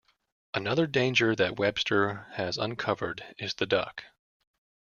Another danger that Webster has uncovered is the duck.